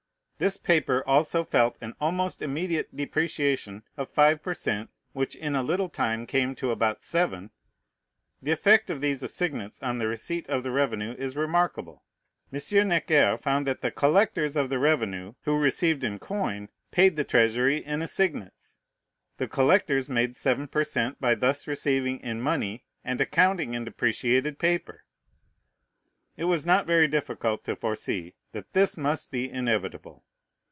This paper also felt an almost immediate depreciation of five per cent, which in a little time came to about seven. The effect of these assignats on the receipt of the revenue is remarkable. M. Necker found that the collectors of the revenue, who received in coin, paid the treasury in assignats. The collectors made seven per cent by thus receiving in money, and accounting in depreciated paper. It was not very difficult to foresee that this must be inevitable.